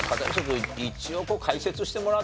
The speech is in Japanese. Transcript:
君一応解説してもらっていい？